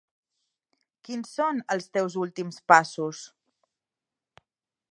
Quins són els teus últims passos?